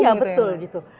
iya betul gitu